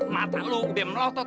mata lo udah melotot